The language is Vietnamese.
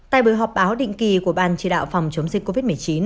tại buổi họp báo định kỳ của ban chỉ đạo phòng chống dịch covid một mươi chín